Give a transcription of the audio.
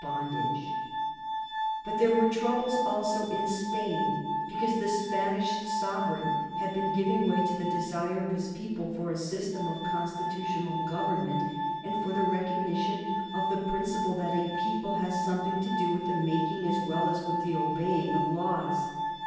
[Sidenote: 1822 27 England and the Congress of Verona] But there were troubles also in Spain, because the Spanish sovereign had been giving way to the desire of his people for a system of constitutional government and for the recognition of the principle that a people has something to do with the making as well as with the obeying of laws.